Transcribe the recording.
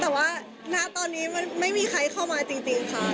แต่ว่าณตอนนี้มันไม่มีใครเข้ามาจริงค่ะ